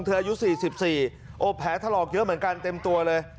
อายุ๔๔โอ้แผลถลอกเยอะเหมือนกันเต็มตัวเลย